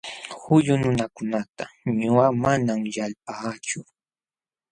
Huyu nunakunata ñuqaqa manam yalpaachu.